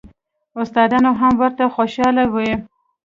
استادان هم ورته خوشاله وي.